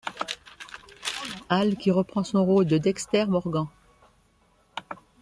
Hall qui reprend son rôle de Dexter Morgan.